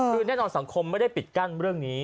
คือแน่นอนสังคมไม่ได้ปิดกั้นเรื่องนี้